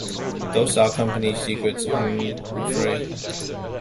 Those are company secrets, I'm afraid.